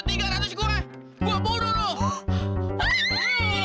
dua tiga ratus gue